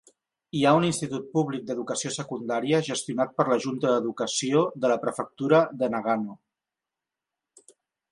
Hi ha un institut públic d'educació secundària gestionat per la junta d'educació de la prefectura de Nagano.